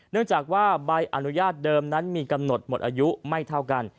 เนื่องจากว่าใบอนุญาตเดิมนั้นมีกำหนดหมดอายุไม่เท่ากัน